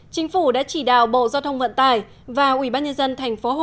chính phủ đã chỉ đạo bộ giao thông vận tải và ubnd tp hcm khẩn trương nghiên cứu mở rộng sân bay